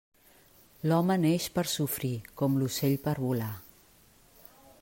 L'home neix per sofrir, com l'ocell per volar.